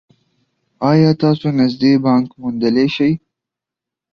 ایا تاسو نږدې بانک موندلی شئ؟